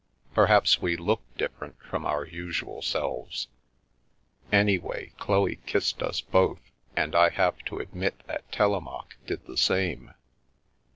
Perhaps we looked different from our usual selves. Anyway, Chloe kissed us both, and I have to admit that Telemaque did the same.